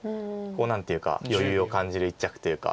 何というか余裕を感じる一着というか。